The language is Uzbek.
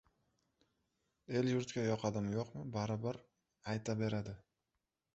El-yurtga yoqadimi-yo‘qmi, baribir ayta beradi!